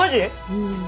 うん。